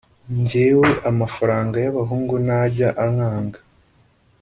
Njyewe amafaranga yabahungu ntajya ankanga